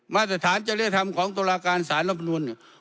มาตรฐานจริยธรรมของธุรการศาลและองค์กรอิสระ